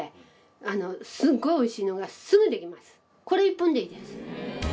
これ１本でいいです。